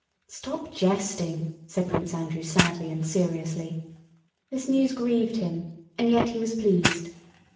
* The marshalls. "Stop jesting," said Prince Andrew sadly and seriously. This news grieved him and yet he was pleased.